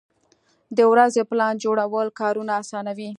د ورځې پلان جوړول کارونه اسانوي.